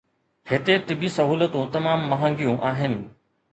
هتي طبي سهولتون تمام مهانگيون آهن